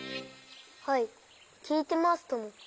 はいきいてますとも。